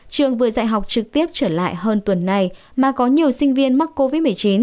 trường vừa dạy học trực tiếp trở lại hơn tuần này mà có nhiều sinh viên mắc covid một mươi chín